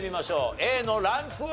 Ａのランクは？